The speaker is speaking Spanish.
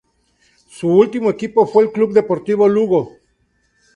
Su último equipo fue el Club Deportivo Lugo.